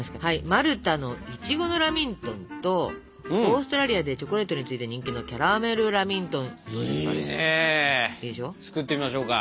マルタのいちごのラミントンとオーストラリアでチョコレートに次いで人気のキャラメルラミントンはどうですか？